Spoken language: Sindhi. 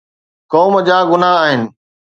قوم جا گناهه آهن.